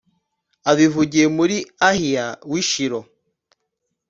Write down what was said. abivugiye muri Ahiya w’i Shilo